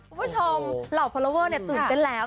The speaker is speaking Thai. คุณผู้ชมเหล่าฟอร์โลเวอร์เนี่ยตื่นเต้นแล้ว